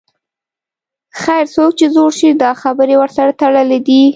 خیر، څوک چې زوړ شي دا خبرې ورسره تړلې دي.